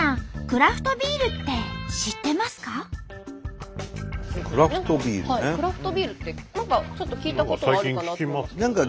クラフトビールって何かちょっと聞いたことはあるかなと。